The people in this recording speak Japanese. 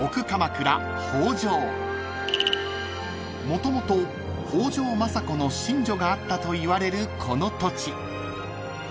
［もともと北条政子の寝所があったといわれるこの土地］